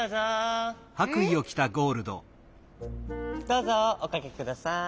どうぞおかけください。